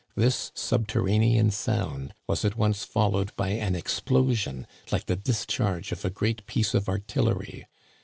This subterranean sound was at once followed by an explosion like the discharge of a great piece of artillery.